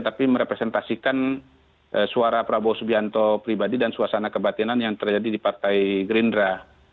tapi merepresentasikan suara prabowo subianto pribadi dan suasana kebatinan yang terjadi di partai gerindra